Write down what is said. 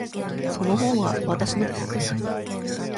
その本はわたしのです。